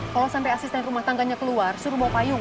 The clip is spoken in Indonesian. kalau sampai asisten rumah tangganya keluar suruh bawa payung